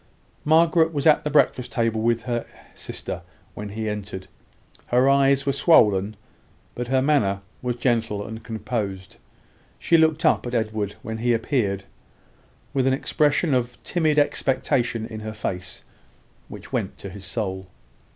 Margaret was at the breakfast table with her sister when he entered. Her eyes were swollen, but her manner was gentle and composed. She looked up at Edward, when he appeared, with an expression of timid expectation in her face, which went to his soul.